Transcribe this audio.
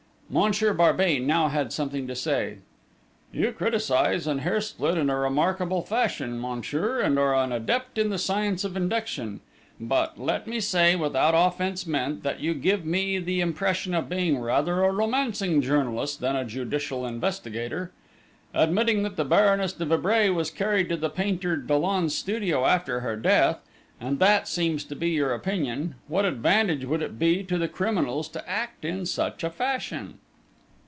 Monsieur Barbey now had something to say: "You criticise and hair split in a remarkable fashion, monsieur, and are an adept in the science of induction; but, let me say without offence meant, that you give me the impression of being rather a romancing journalist than a judicial investigator!... Admitting that the Baroness de Vibray was carried to the painter Dollon's studio after her death, and that seems to be your opinion, what advantage would it be to the criminals to act in such a fashion?"